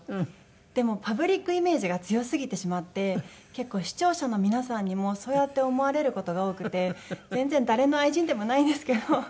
でもパブリックイメージが強すぎてしまって結構視聴者の皆さんにもそうやって思われる事が多くて全然誰の愛人でもないんですけど。